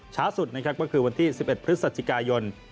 ช้าสุดนะครับก็คือวันที่๑๑พฤศจิกายน